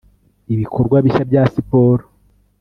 ibikorwa bishya bya siporo